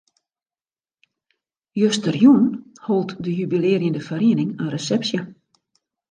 Justerjûn hold de jubilearjende feriening in resepsje.